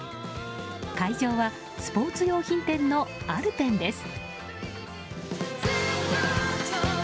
会場はスポーツ用品店のＡｌｐｅｎです。